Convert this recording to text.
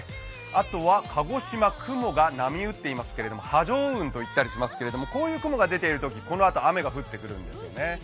あとは鹿児島、雲が波打っていますけれども波状雲といったりしますけどこういう雲が出ているとき、このあと雨が降って来るんです。